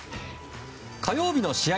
火曜日の試合